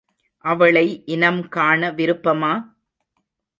அவளை இனம் காண விருப்பமா?